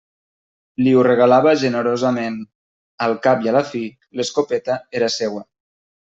Li ho regalava generosament: al cap i a la fi, l'escopeta era seua.